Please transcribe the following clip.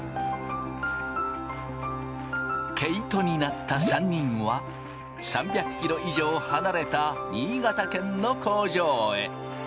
毛糸になった３人は３００ｋｍ以上離れた新潟県の工場へ。